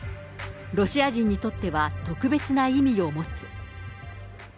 ロシア人にとっては、特別な意味を持つ。